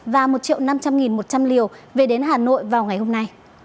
và một triệu năm trăm linh nghìn một trăm linh liều về đến hà nội vào ngày hôm nay